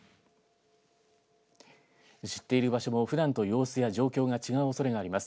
知っている場所もふだんと様子や状況が違うおそれがあります。